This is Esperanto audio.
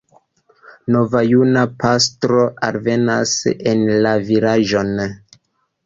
Nova juna pastro alvenas en la vilaĝon.